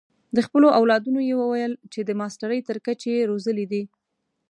د خپلو اولادونو یې وویل چې د ماسټرۍ تر کچې یې روزلي دي.